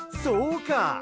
そうか！